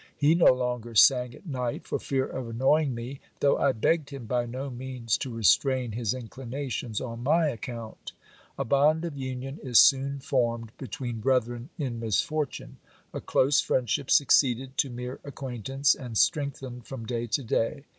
He no longer sang at night for fear of annoying me, though I begged him by no means to restrain his inclinations on my account. A bond of union is soon formed between brethren in misfortune. A close friend ship succeeded to mere acquaintance, and strengthened from day to day.